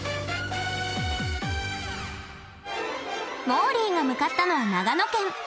もーりーが向かったのは長野県。